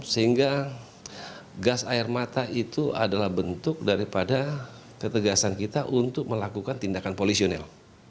sehingga gas air mata itu adalah bentuk daripada ketegasan kita untuk melakukan tindakan polisional